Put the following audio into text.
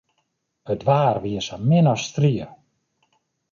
It waar wie sa min as strie.